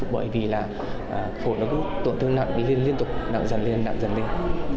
bởi vì là tổn thương nặng liên tục nặng dần lên nặng dần lên